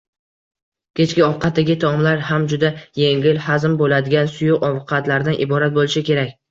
Kechki ovqatdagi taomlar ham juda yengil hazm boʻladigan suyuq ovqatlardan iborat boʻlishi kerak.